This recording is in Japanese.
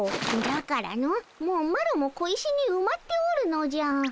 じゃからのもうマロも小石にうまっておるのじゃ。